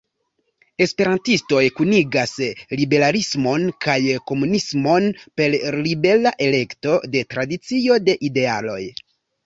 Esperantistoj kunigas liberalismon kaj komunumismon per libera elekto de tradicio de idealoj.